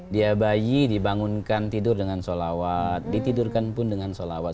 dia bayi dibangunkan tidur dengan sholawat ditidurkan pun dengan sholawat